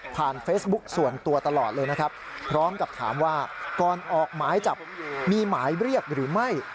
พร้อมกับถามว่าก่อนออกหมายจับมีหมายเรียกหรือไม่